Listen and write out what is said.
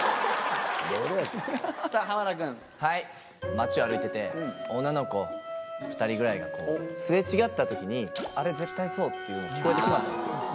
街を歩いてて女の子２人ぐらいが擦れ違った時に「あれ絶対そう」っていうのが聞こえてしまったんですよ。